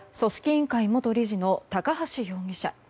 委員会元理事の高橋容疑者。